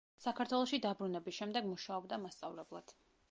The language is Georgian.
საქართველოში დაბრუნების შემდეგ მუშაობდა მასწავლებლად.